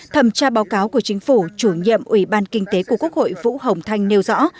thẩm tra báo cáo của chính phủ chủ nhiệm ủy ban kinh tế của quốc hội vũ hồng thanh nêu rõ